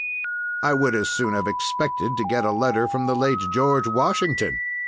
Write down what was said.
I would as soon have expected to get a letter from the late George Washington.